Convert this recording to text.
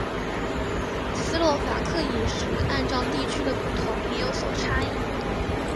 斯洛伐克饮食按照地区的不同也有所差异。